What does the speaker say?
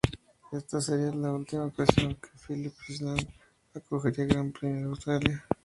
Esta sería la última ocasión que Phillip Island acogería Gran Premio de Australia.